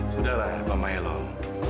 sudahlah pak mailong